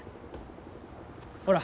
ほら。